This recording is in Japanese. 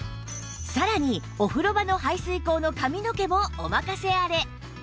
さらにお風呂場の排水口の髪の毛もお任せあれ